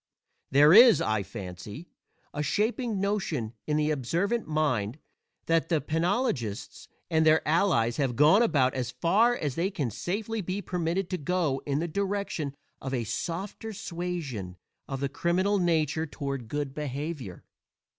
There is, I fancy, a shaping notion in the observant mind that the penologists and their allies have gone about as far as they can safely be permitted to go in the direction of a softer suasion of the criminal nature toward good behavior.